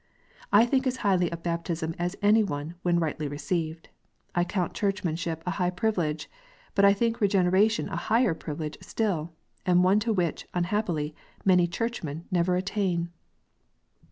I think as highly of "baptism as any one when rightly received. I count Churchmanship a high privilege; but I think Regeneration a higher privilege still, and one to which, unhappily, many Churchmen never attain.